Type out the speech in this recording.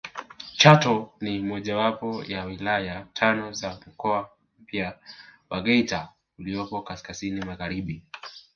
Chato ni mojawapo ya wilaya tano za mkoa mpya wa Geita uliopo kaskazini magharibi